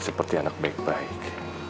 seperti anak baik baik